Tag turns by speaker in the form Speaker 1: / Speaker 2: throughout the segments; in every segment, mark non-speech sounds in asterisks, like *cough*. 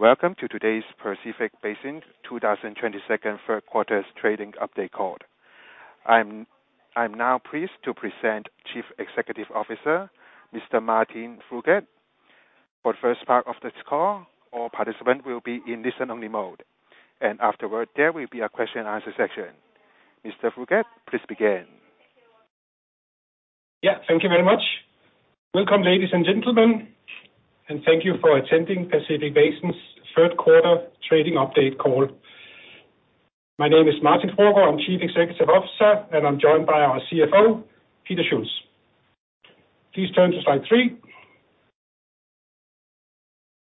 Speaker 1: Welcome to today's Pacific Basin 2022 third quarter trading update call. I'm now pleased to present Chief Executive Officer, Mr. Martin Fruergaard. For the first part of this call, all participants will be in listen only mode, and afterward, there will be a question and answer section. Mr. Fruergaard, please begin.
Speaker 2: Yeah, thank you very much. Welcome, ladies and gentlemen, and thank you for attending Pacific Basin's third quarter trading update call. My name is Martin Fruergaard. I'm Chief Executive Officer, and I'm joined by our CFO, Peter Schulz. Please turn to slide three.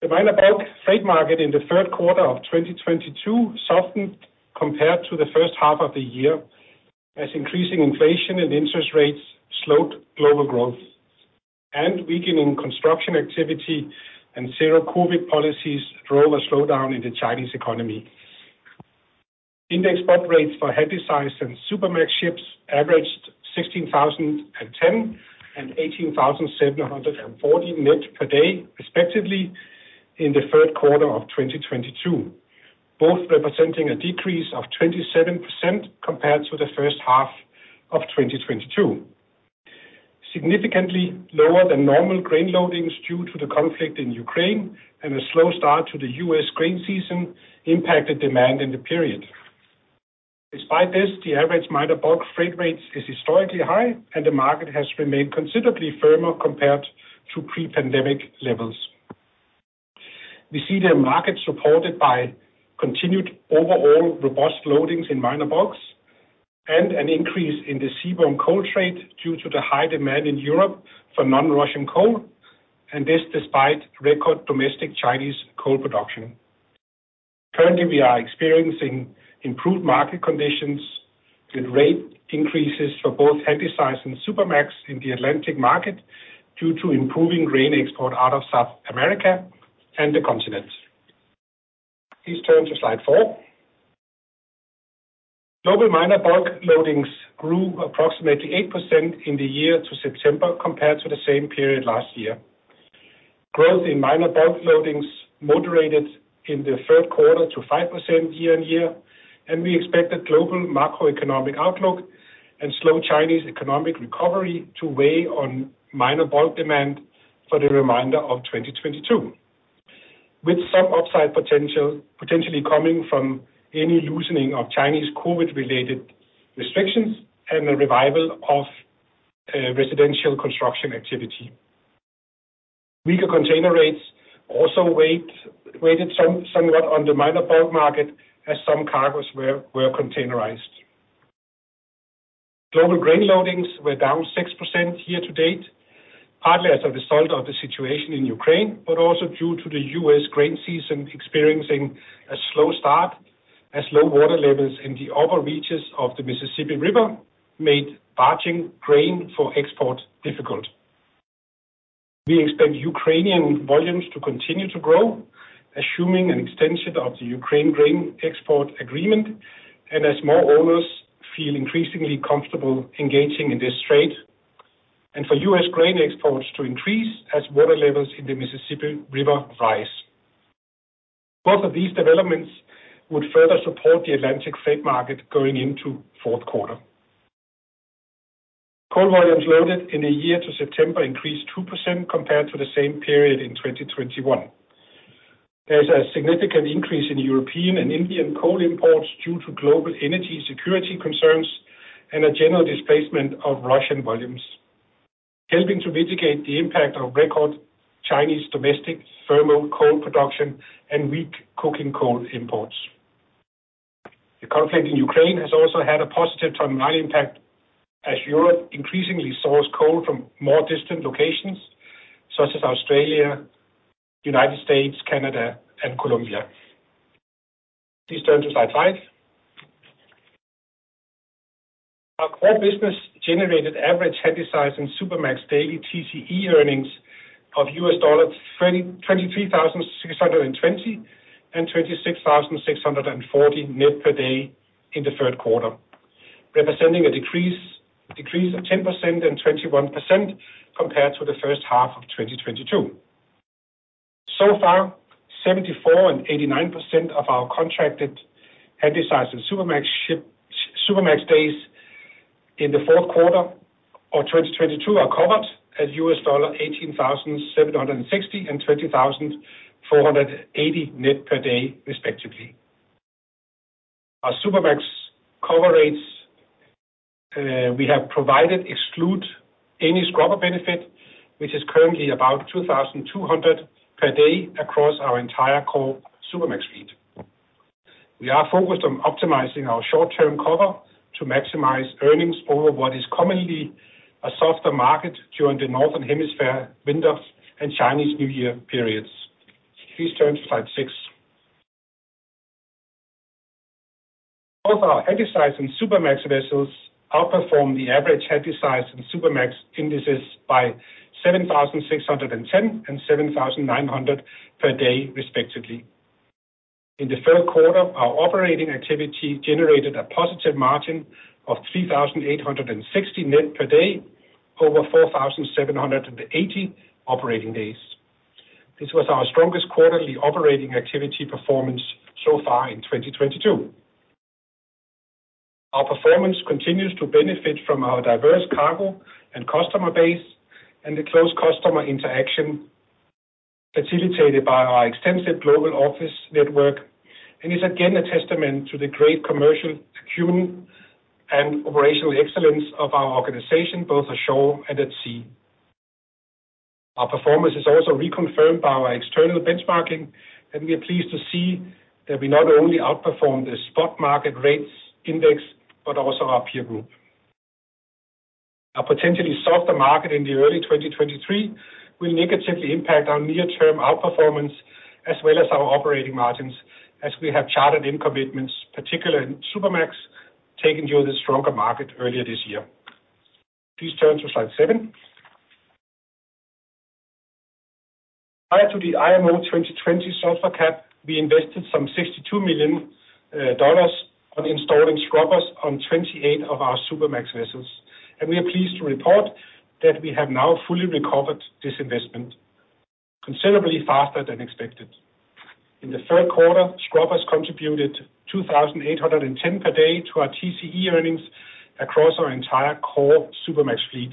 Speaker 2: The minor bulk freight market in the third quarter of 2022 softened compared to the first half of the year, as increasing inflation and interest rates slowed global growth and weakening construction activity and zero COVID policies drove a slowdown in the Chinese economy. Index spot rates for Handysize and Supramax ships averaged $16,010 and $18,714 net per day, respectively, in the third quarter of 2022, both representing a decrease of 27% compared to the first half of 2022. Significantly lower than normal grain loadings due to the conflict in Ukraine and a slow start to the U.S. grain season impacted demand in the period. Despite this, the average minor bulk freight rates is historically high, and the market has remained considerably firmer compared to pre-pandemic levels. We see the market supported by continued overall robust loadings in minor bulks and an increase in the seaborne coal trade due to the high demand in Europe for non-Russian coal, and this despite record domestic Chinese coal production. Currently, we are experiencing improved market conditions with rate increases for both Handysize and Supramax in the Atlantic market due to improving grain export out of South America and the continents. Please turn to slide four. Global minor bulk loadings grew approximately 8% in the year to September compared to the same period last year. Growth in minor bulk loadings moderated in the third quarter to 5% year-on-year, and we expect the global macroeconomic outlook and slow Chinese economic recovery to weigh on minor bulk demand for the remainder of 2022, with some upside potential, potentially coming from any loosening of Chinese COVID related restrictions and a revival of residential construction activity. Weaker container rates also waited somewhat on the minor bulk market as some cargos were containerized. Global grain loadings were down 6% year-to-date, partly as a result of the situation in Ukraine, but also due to the U.S. grain season experiencing a slow start as low water levels in the upper reaches of the Mississippi River made barging grain for export difficult. We expect Ukrainian volumes to continue to grow, assuming an extension of the Ukraine grain export agreement and as more owners feel increasingly comfortable engaging in this trade, and for U.S. grain exports to increase as water levels in the Mississippi River rise. Both of these developments would further support the Atlantic freight market going into fourth quarter. Coal volumes loaded in a year to September increased 2% compared to the same period in 2021. There's a significant increase in European and Indian coal imports due to global energy security concerns and a general displacement of Russian volumes, helping to mitigate the impact of record Chinese domestic thermal coal production and weak coking coal imports. The conflict in Ukraine has also had a positive long-term impact as Europe increasingly source coal from more distant locations such as Australia, United States, Canada, and Colombia. Please turn to slide five. Our core business generated average Handysize and Supramax daily TCE earnings of $23,620 and $26,640 net per day in the third quarter, representing a decrease of 10% and 21% compared to the first half of 2022. So far, 74% and 89% of our contracted Handysize and Supramax days in the fourth quarter of 2022 are covered at $18,760 and $20,480 net per day, respectively. Our Supramax cover rates we have provided exclude any scrubber benefit, which is currently about $2,200 per day across our entire core Supramax fleet. We are focused on optimizing our short-term cover to maximize earnings over what is commonly a softer market during the Northern Hemisphere winter and Chinese New Year periods. Please turn to slide six. Both our Handysize and Supramax vessels outperformed the average Handysize and Supramax indices by $7,610 and $7,900 per day, respectively. In the third quarter, our operating activity generated a positive margin of $3,860 net per day over 4,780 operating days. This was our strongest quarterly operating activity performance so far in 2022. Our performance continues to benefit from our diverse cargo and customer base and the close customer interaction facilitated by our extensive global office network, and is again a testament to the great commercial acumen and operational excellence of our organization, both ashore and at sea. Our performance is also reconfirmed by our external benchmarking, and we are pleased to see that we not only outperform the spot market rates index but also our peer group. Our potentially softer market in the early 2023 will negatively impact our near term outperformance as well as our operating margins as we have chartered in commitments, particularly in Supramax, taking during the stronger market earlier this year. Please turn to slide seven. Prior to the IMO 2020 sulfur cap, we invested some $62 million on installing scrubbers on 28 of our Supramax vessels, and we are pleased to report that we have now fully recovered this investment considerably faster than expected. In the third quarter, scrubbers contributed 2,810 per day to our TCE earnings across our entire core Supramax fleet,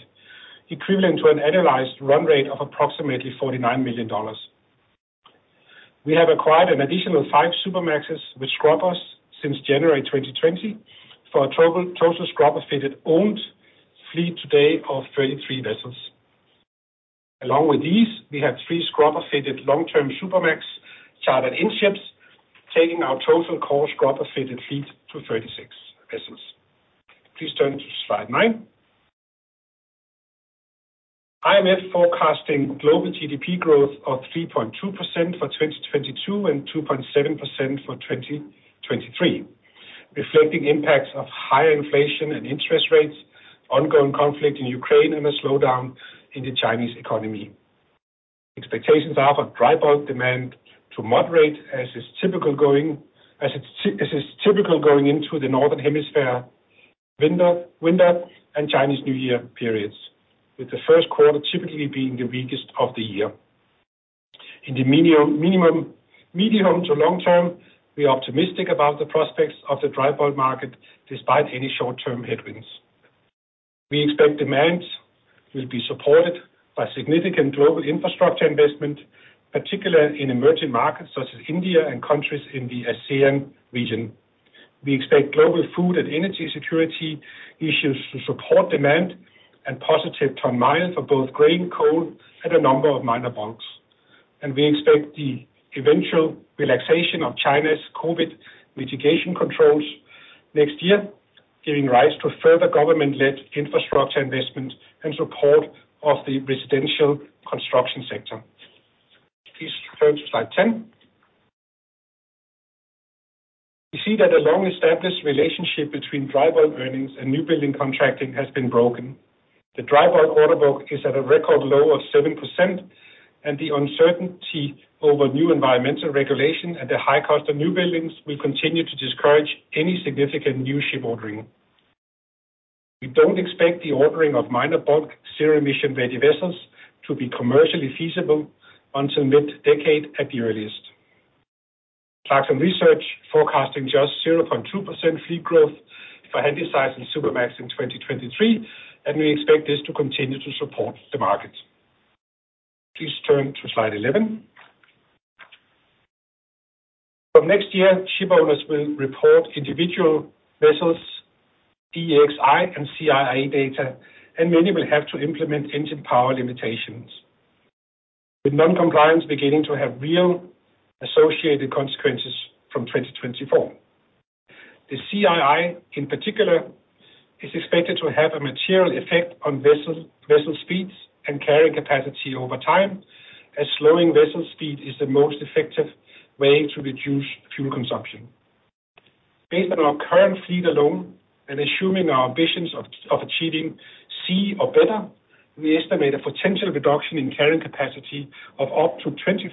Speaker 2: equivalent to an annualized run rate of approximately $49 million. We have acquired an additional five Supramaxes with scrubbers since January 2020 for a total scrubber-fitted owned fleet today of 33 vessels. Along with these, we have three scrubber-fitted long term Supramax chartered in ships, taking our total core scrubber-fitted fleet to 36 vessels. Please turn to slide nine. IMF forecasting global GDP growth of 3.2% for 2022 and 2.7% for 2023, reflecting impacts of higher inflation and interest rates, ongoing conflict in Ukraine and a slowdown in the Chinese economy. Expectations are for dry bulk demand to moderate as is typical going into the Northern Hemisphere winter and Chinese New Year periods, with the first quarter typically being the weakest of the year. In the medium to long term, we are optimistic about the prospects of the dry bulk market despite any short term headwinds. We expect demand will be supported by significant global infrastructure investment, particularly in emerging markets such as India and countries in the ASEAN region. We expect global food and energy security issues to support demand and positive ton miles for both grain, coal and a number of minor bulks. And we expect the eventual relaxation of China's COVID mitigation controls next year, giving rise to further government-led infrastructure investment in support of the residential construction sector. Please turn to slide 10. We see that a long established relationship between dry bulk earnings and new building contracting has been broken. The dry bulk order book is at a record low of 7%, and the uncertainty over new environmental regulation and the high cost of new buildings will continue to discourage any significant new ship ordering. We don't expect the ordering of minor bulk zero emission ready vessels to be commercially feasible until mid-decade at the earliest. Clarksons Research forecasting just 0.2% fleet growth for Handysize and Supramax in 2023, and we expect this to continue to support the market. Please turn to slide 11. From next year, ship owners will report individual vessels, EEXI and CII data, and many will have to implement engine power limitations, with non-compliance beginning to have real associated consequences from 2024. The CII in particular is expected to have a material effect on vessel speeds and carrying capacity over time, as slowing vessel speed is the most effective way to reduce fuel consumption. Based on our current fleet alone, and assuming our ambitions of achieving C or better, we estimate a potential reduction in carrying capacity of up to 25%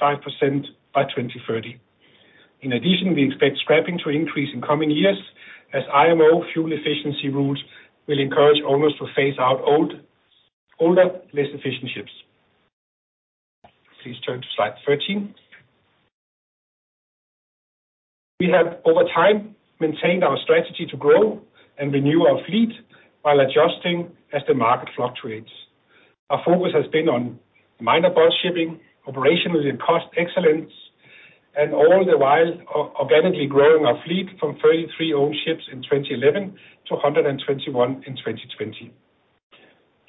Speaker 2: by 2030. In addition, we expect scrapping to increase in coming years as IMO fuel efficiency rules will encourage owners to phase out older, less efficient ships. Please turn to slide 13. We have over time maintained our strategy to grow and renew our fleet while adjusting as the market fluctuates. Our focus has been on minor bulk shipping, operational and cost excellence, and all the while organically growing our fleet from 33 owned ships in 2011 to 121 in 2020.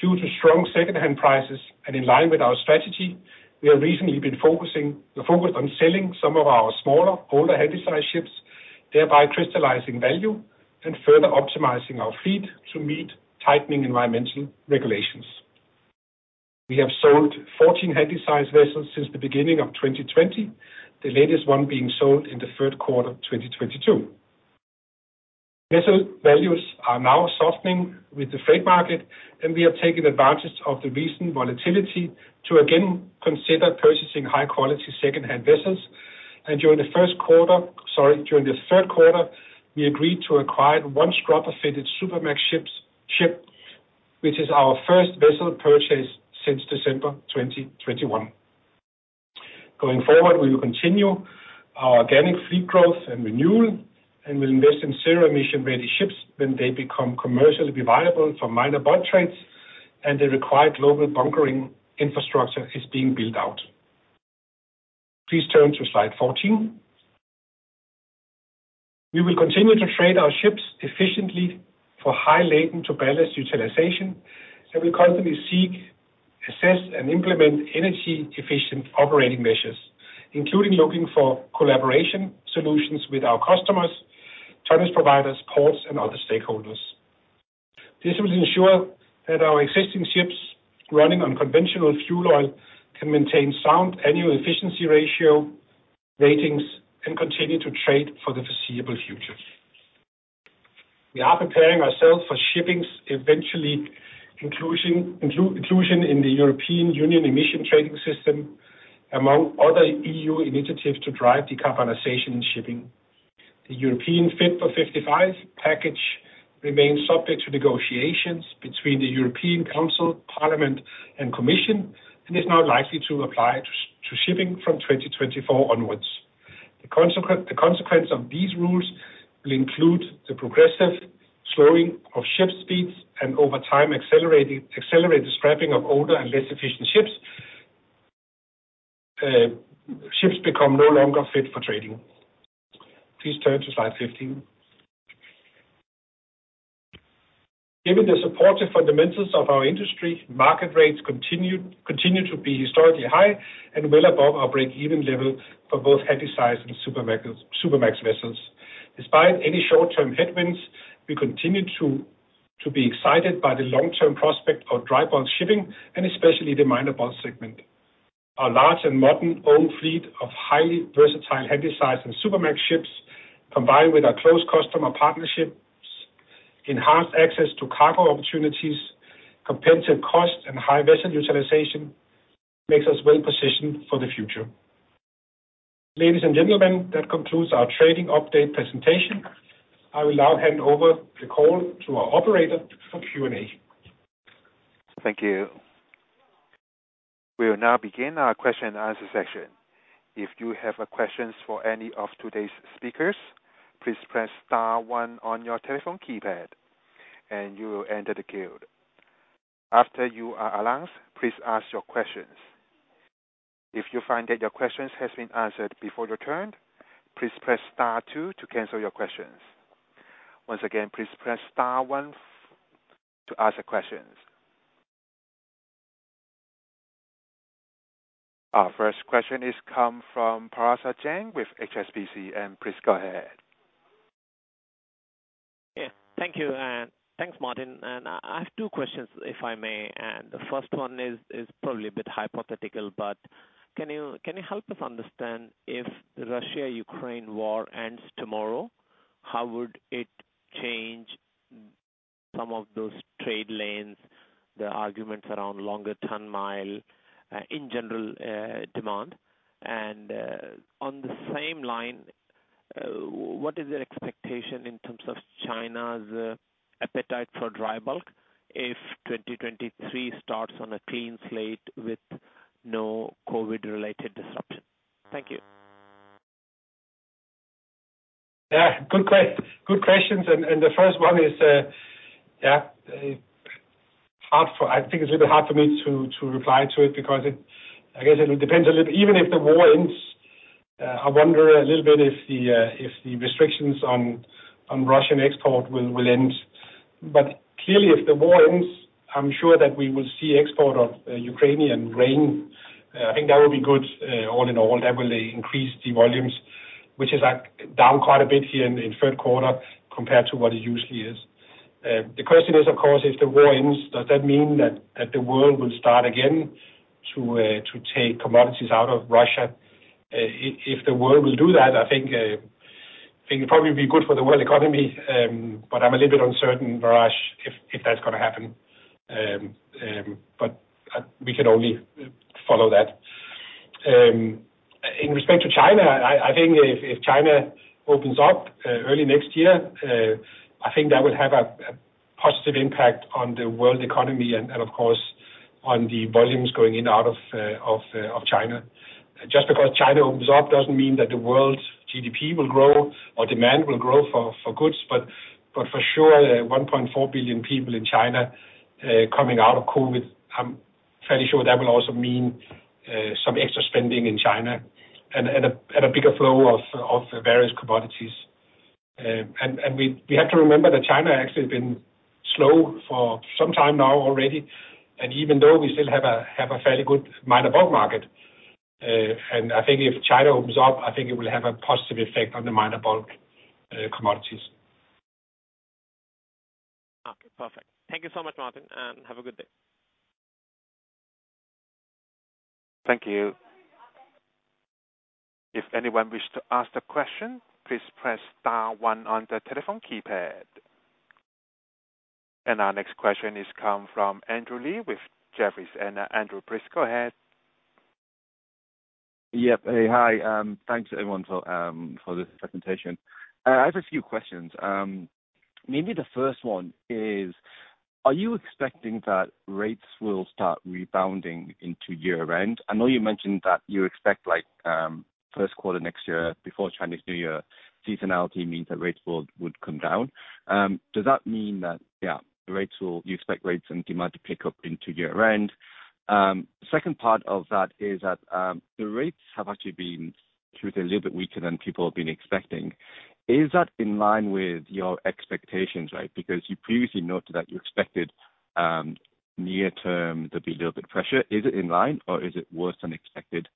Speaker 2: Due to strong secondhand prices and in line with our strategy, we have recently been focused on selling some of our smaller, older Handysize ships, thereby crystallizing value and further optimizing our fleet to meet tightening environmental regulations. We have sold 14 Handysize vessels since the beginning of 2020, the latest one being sold in the third quarter 2022. Vessel values are now softening with the freight market, and we have taken advantage of the recent volatility to again consider purchasing high quality second-hand vessels. During the third quarter, we agreed to acquire one scrubber-fitted Supramax ship, which is our first vessel purchase since December 2021. Going forward, we will continue our organic fleet growth and renewal, and we'll invest in zero emission-ready ships when they become commercially viable for minor bulk trades and the required global bunkering infrastructure is being built out. Please turn to slide 14. We will continue to trade our ships efficiently for high laden to ballast utilization, and we constantly seek, assess, and implement energy efficient operating measures, including looking for collaboration solutions with our customers, tonnage providers, ports, and other stakeholders. This will ensure that our existing ships running on conventional fuel oil can maintain sound annual efficiency ratio ratings and continue to trade for the foreseeable future. We are preparing ourselves for shipping's eventual inclusion in the European Union Emissions Trading System among other EU initiatives to drive decarbonization in shipping. The European Fit for 55 package remains subject to negotiations between the European Council, Parliament, and Commission, and is now likely to apply to shipping from 2024 onwards. The consequence of these rules will include the progressive slowing of ship speeds and over time accelerated scrapping of older and less efficient ships become no longer fit for trading. Please turn to slide 15. Given the supportive fundamentals of our industry, market rates continue to be historically high and well above our break-even level for both Handysize and Supramax vessels. Despite any short-term headwinds, we continue to be excited by the long-term prospect of dry bulk shipping and especially the minor bulk segment. Our large and modern owned fleet of highly versatile Handysize and Supramax ships, combined with our close customer partnerships, enhanced access to cargo opportunities, competitive cost, and high vessel utilization, makes us well-positioned for the future. Ladies and gentlemen, that concludes our trading update presentation. I will now hand over the call to our operator for Q&A.
Speaker 1: Thank you. We will now begin our question and answer session. If you have a question for any of today's speakers, please press star one on your telephone keypad and you will enter the queue. After you are announced, please ask your question. If you find that your question has been answered before your turn, please press star two to cancel your question. Once again, please press star one to ask your question. Our first question comes from Parash Jain with HSBC, and please go ahead.
Speaker 3: Yeah. Thank you, and thanks, Martin. I have two questions, if I may, and the first one is probably a bit hypothetical, but can you help us understand if Russia-Ukraine war ends tomorrow, how would it change some of those trade lanes, the arguments around longer ton mile, in general, demand? And on the same line, what is your expectation in terms of China's appetite for dry bulk if 2023 starts on a clean slate with no COVID-related disruption? Thank you.
Speaker 2: Good questions. The first one is, I think it's a little bit hard for me to reply to it because it, I guess it'll depend a little. Even if the war ends, I wonder a little bit if the restrictions on Russian export will end. Bur clearly if the war ends, I'm sure that we will see export of Ukrainian grain. I think that will be good, all in all. That will increase the volumes, which is like down quite a bit here in third quarter compared to what it usually is. The question is, of course, if the war ends, does that mean that the world will start again to take commodities out of Russia? If the world will do that, I think it'd probably be good for the world economy, but I'm a little bit uncertain, Parash, if that's gonna happen. We can only follow that. In respect to China, I think if China opens up early next year, I think that will have a positive impact on the world economy and of course on the volumes going in and out of China. Just because China opens up doesn't mean that the world's GDP will grow or demand will grow for goods but for sure 1.4 billion people in China coming out of COVID. I'm fairly sure that will also mean some extra spending in China and a bigger flow of various commodities. And we have to remember that China actually been slow for some time now already. And even though we still have a fairly good minor bulk market, and I think if China opens up, I think it will have a positive effect on the minor bulk commodities.
Speaker 3: Okay. Perfect. Thank you so much, Martin, and have a good day.
Speaker 1: Thank you. If anyone wish to ask the question, please press star one on the telephone keypad. Our next question comes from Andrew Lee with Jefferies. Andrew, please go ahead.
Speaker 4: Yep. Hey. Hi. Thanks everyone for this presentation. I have a few questions. Maybe the first one is, are you expecting that rates will start rebounding into year-end? I know you mentioned that you expect like, first quarter next year before Chinese New Year, seasonality means that rates would come down. Does that mean that, yeah, you expect rates and demand to pick up into year-end? The second part of that is that the rates have actually been a little bit weaker than people have been expecting. Is that in line with your expectations, right? Because you previously noted that you expected near term there'd be a little bit pressure. Is it in line or is it worse than expected?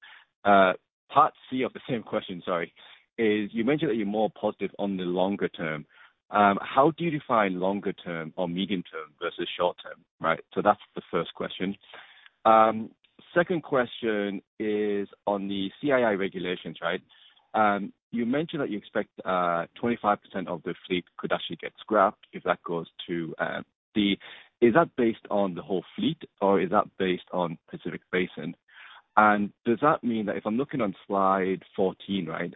Speaker 4: Part C of the same question, sorry, is you mentioned that you're more positive on the longer term. How do you define longer term or medium term versus short term? Right. So that's the first question. Second question is on the CII regulations, right? You mentioned that you expect 25% of the fleet could actually get scrapped if that goes to. Is that based on the whole fleet or is that based on Pacific Basin? And does that mean that if I'm looking on slide 14, right,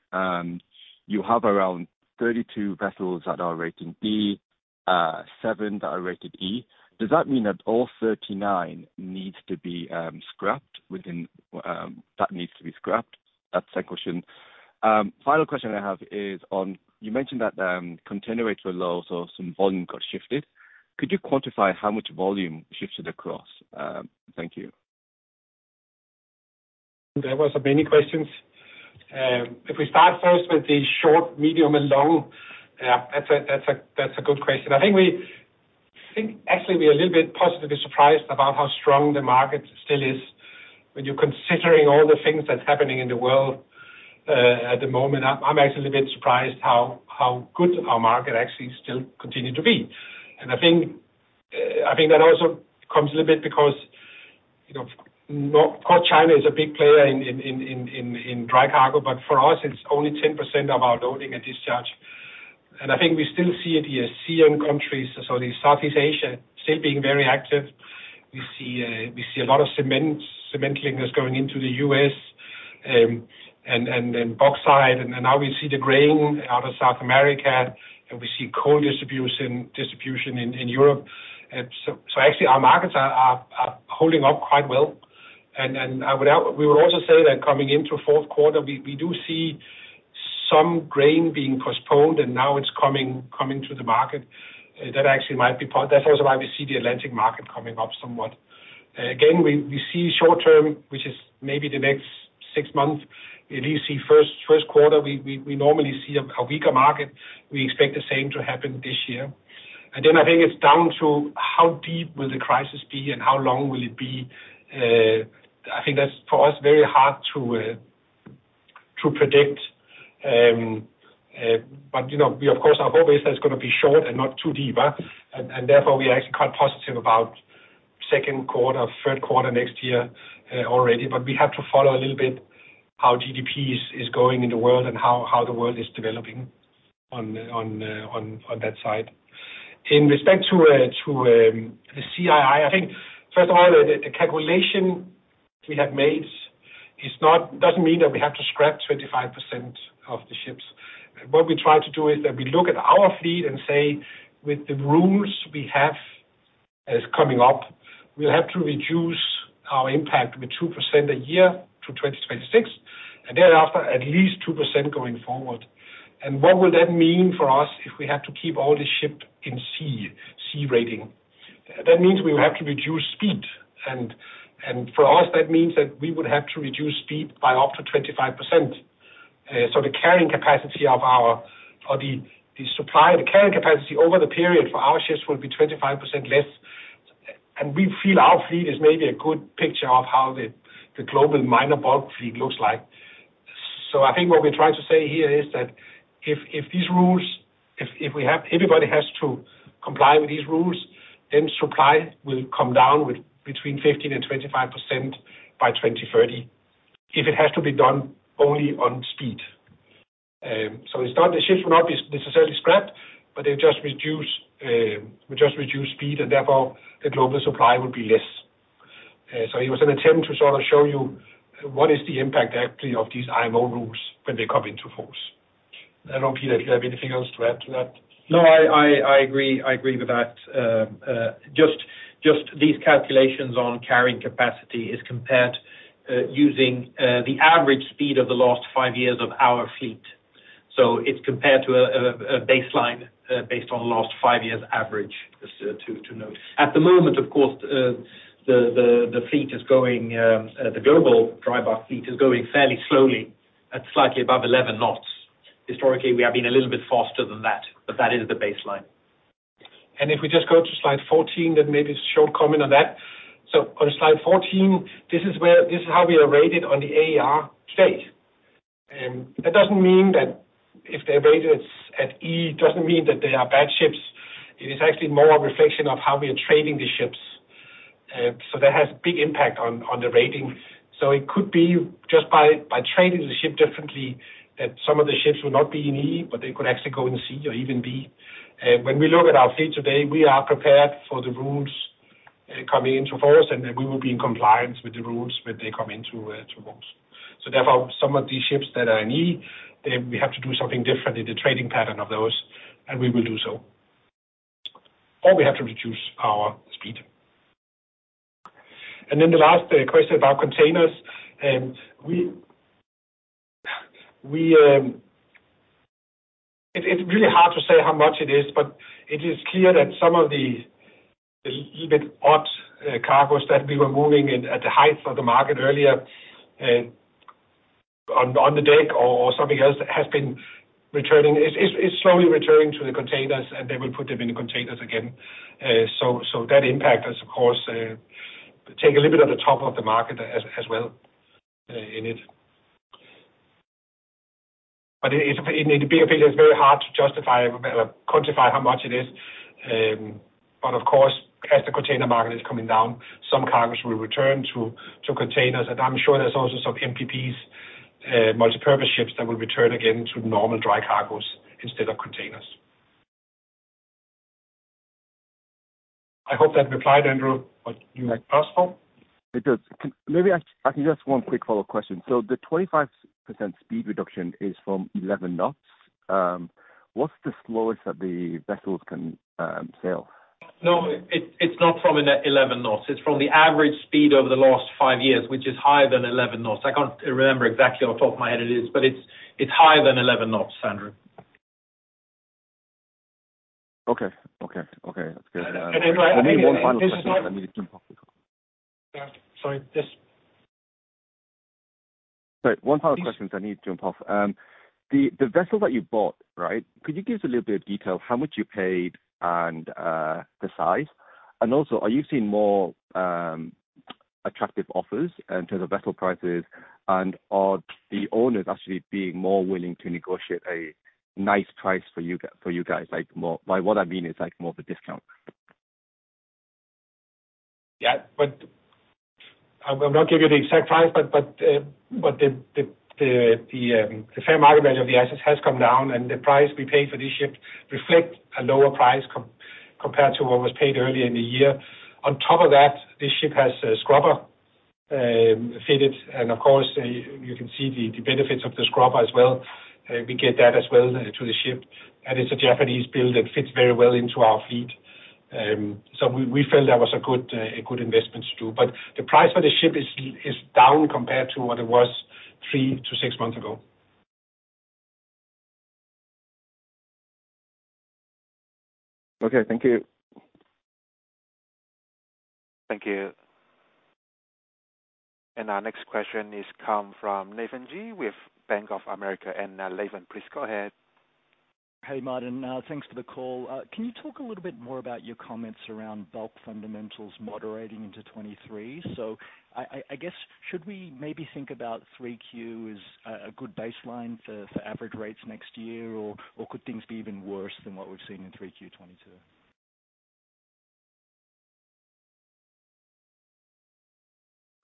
Speaker 4: you have around 32 vessels that are rating D, seven that are rated E. Does that mean that all 39 needs to be scrapped within that needs to be scrapped? That's the second question. Final question I have is on you mentioned that, container rates were low, so some volume got shifted. Could you quantify how much volume shifted across? Thank you.
Speaker 2: There was so many questions. If we start first with the short, medium and long. That's a good question. I think actually we are a little bit positively surprised about how strong the market still is when you're considering all the things that's happening in the world at the moment. I'm actually a bit surprised how good our market actually still continue to be. And I think that also comes a little bit because, you know, of course, China is a big player in dry cargo, but for us it's only 10% of our loading and discharge. And I think we still see in the ASEAN countries, so the Southeast Asia still being very active. We see a lot of cement clinker going into the U.S., and then bauxite and now we see the grain out of South America, and we see coal distribution in Europe. Actually our markets are holding up quite well. We would also say that coming into fourth quarter, we do see some grain being postponed and now it's coming to the market. That actually might be part. That's also why we see the Atlantic market coming up somewhat. Again, we see short term, which is maybe the next six months. At least the first quarter, we normally see a weaker market. We expect the same to happen this year. I think it's down to how deep will the crisis be and how long will it be. I think that's, for us, very hard to predict. But you know, we of course our hope is that it's gonna be short and not too deep, and therefore we are actually quite positive about second quarter, third quarter next year, already. But we have to follow a little bit how GDP is going in the world and how the world is developing on that side. In respect to the CII, I think first of all the calculation we have made is not, doesn't mean that we have to scrap 25% of the ships. What we try to do is that we look at our fleet and say with the rules we have coming up, we'll have to reduce our impact with 2% a year to 2026, and thereafter at least 2% going forward. What will that mean for us if we have to keep all the ships in CII rating? That means we will have to reduce speed. And for us that means that we would have to reduce speed by up to 25%. So the carrying capacity of our supply over the period for our ships will be 25% less. And we feel our fleet is maybe a good picture of how the global minor bulk fleet looks like. So I think what we're trying to say here is that if everybody has to comply with these rules, then supply will come down by between 15% and 25% by 2030, if it has to be done only on speed. It's not that the ships will necessarily be scrapped, but we just reduce speed and therefore the global supply will be less. It was an attempt to sort of show you what is the impact actually of these IMO rules when they come into force. I don't know, Peter, if you have anything else to add to that.
Speaker 5: No, I agree with that. Just these calculations on carrying capacity is compared using the average speed of the last five years of our fleet. So it's compared to a baseline based on last five years average, just to note. At the moment of course, the global dry bulk fleet is going fairly slowly at slightly above 11 knots. Historically, we have been a little bit faster than that, but that is the baseline.
Speaker 2: And if we just go to slide 14, then maybe a short comment on that. On slide 14, this is where this is how we are rated on the AER today. That doesn't mean that if they're rated at E, it doesn't mean that they are bad ships. It is actually more a reflection of how we are trading the ships. That has big impact on the rating. So it could be just by trading the ship differently, that some of the ships will not be in E, but they could actually go in C or even B. And when we look at our fleet today, we are prepared for the rules coming into force, and we will be in compliance with the rules when they come into force. So therefore, some of these ships that are in E, we have to do something different in the trading pattern of those, and we will do so, or we have to reduce our speed. Then the last question about containers. It's really hard to say how much it is, but it is clear that some of the even odd cargos that we were moving in at the height of the market earlier, on the deck or something else has been returning. It's slowly returning to the containers, and they will put them in the containers again. So that impact has, of course, taken a little bit off the top of the market as well, in it. In the bigger picture, it's very hard to justify or quantify how much it is. And of course, as the container market is coming down, some cargos will return to containers. I'm sure there's also some MPVs, multi-purpose ships that will return again to normal dry cargos instead of containers. I hope that replied, Andrew, what you had asked for.
Speaker 4: It does. Maybe I can just one quick follow-up question. The 25% speed reduction is from 11 knots. What's the slowest that the vessels can sail?
Speaker 2: No, it's not from 11 knots. It's from the average speed over the last five years, which is higher than 11 knots. I can't remember exactly off the top of my head it is, but it's higher than 11 knots, Andrew.
Speaker 4: Okay. That's good.
Speaker 2: And then my-
Speaker 4: One final question. I need to jump off the call.
Speaker 2: Yeah. Sorry.
Speaker 4: Sorry, one final question then I need to jump off. The vessels that you bought, right, could you give us a little bit of detail how much you paid and the size? Also, are you seeing more attractive offers to the vessel prices, and are the owners actually being more willing to negotiate a nice price for you guys? Like, by what I mean is, like, more of a discount.
Speaker 2: I'm not giving you the exact price, but the fair market value of the assets has come down, and the price we paid for this ship reflect a lower price compared to what was paid earlier in the year. On top of that, this ship has a scrubber fitted, and of course, you can see the benefits of the scrubber as well. We get that as well to the ship, and it's a Japanese build that fits very well into our fleet. We felt that was a good investment to do. But the price for the ship is down compared to what it was three-six months ago.
Speaker 4: Okay, thank you.
Speaker 1: Thank you. And our next question comes from Nathan Gee with Bank of America. Nathan, please go ahead.
Speaker 6: Hey, Martin. Thanks for the call. Can you talk a little bit more about your comments around bulk fundamentals moderating into 2023? So I guess, should we maybe think about 3Q as a good baseline for average rates next year, or could things be even worse than what we've seen in 3Q 2022?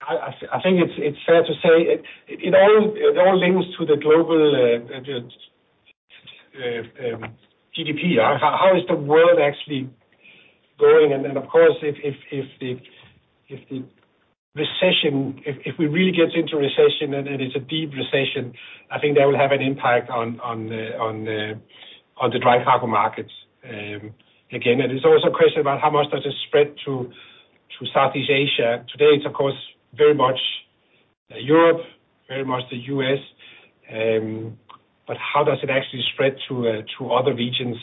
Speaker 2: I think it's fair to say it all links to the global GDP. How is the world actually going? And then of course, if the recession, if we really get into recession and it is a deep recession, I think that will have an impact on the dry cargo markets. And again, it's always a question about how much does it spread to Southeast Asia. Today it's of course very much Europe, very much the U.S., and but how does it actually spread to other regions?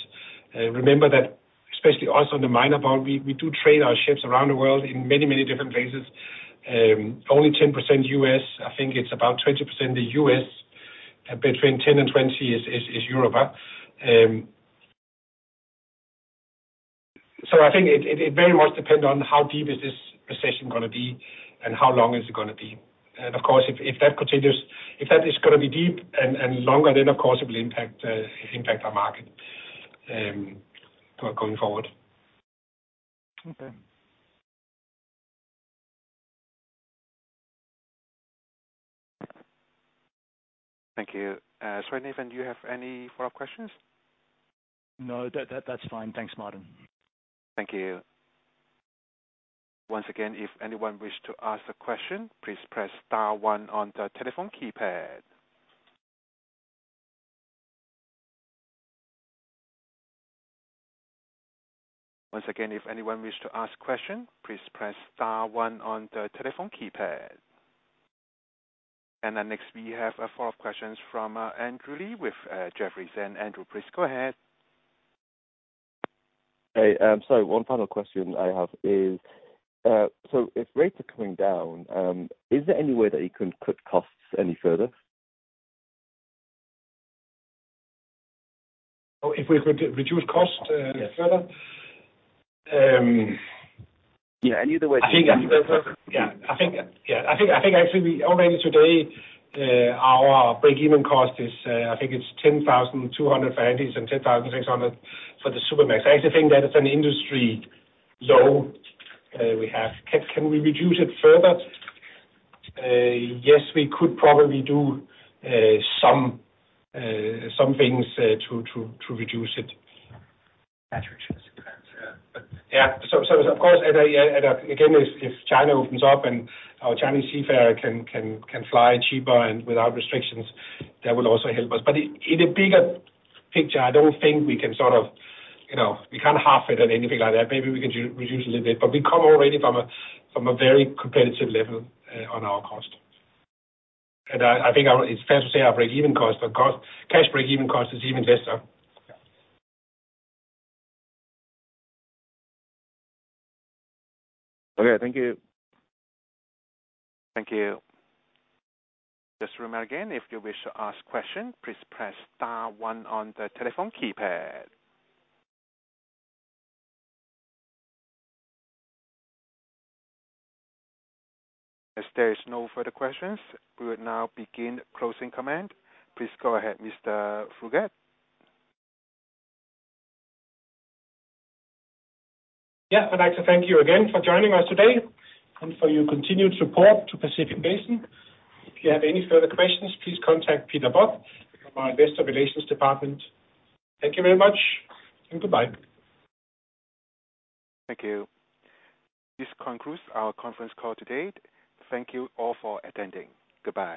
Speaker 2: Remember that especially us on the minor bulk, we do trade our ships around the world in many different places. And only 10% U.S., I think it's about 20% the U.S. between 10 and 20 is Europe. So I think it very much depends on how deep is this recession gonna be and how long is it gonna be. And of course, if that is gonna be deep and longer, then of course it will impact our market going forward.
Speaker 6: Okay.
Speaker 1: Thank you. Sorry, Nathan, do you have any follow-up questions?
Speaker 6: No. That's fine. Thanks, Martin.
Speaker 1: Thank you. Once again, if anyone wish to ask a question, please press star one on the telephone keypad. Once again, if anyone wish to ask a question, please press star one on the telephone keypad. And next we have a follow-up questions from Andrew Lee with Jefferies. Andrew, please go ahead.
Speaker 4: Hey. One final question I have is, so if rates are coming down, is there any way that you can cut costs any further?
Speaker 2: Oh, if we could reduce cost further?
Speaker 4: Yes. Yeah, any other way to
Speaker 2: I think actually we already today our break-even cost is. I think it's $10,200 for Handys and $10,600 for the Supramax. I actually think that is an industry low we have. Can we reduce it further? Yes, we could probably do some things to reduce it.
Speaker 4: Yeah. *audio distortion*
Speaker 2: Yeah. So of course again, if China opens up and our Chinese seafarer can fly cheaper and without restrictions, that will also help us. In a bigger picture, I don't think we can sort of, you know, we can't halve it or anything like that. Maybe we can reduce a little bit, but we come already from a very competitive level on our cost. And I think it's fair to say our cash break-even cost is even lesser.
Speaker 4: Okay, thank you.
Speaker 1: Thank you. Just to remind again, if you wish to ask question, please press star one on the telephone keypad. As there is no further questions, we will now begin closing comment. Please go ahead, Mr. Fruergaard.
Speaker 2: Yeah. I'd like to thank you again for joining us today and for your continued support to Pacific Basin. If you have any further questions, please contact Peter Budd from our Investor Relations Department. Thank you very much, and goodbye.
Speaker 1: Thank you. This concludes our conference call today. Thank you all for attending. Goodbye.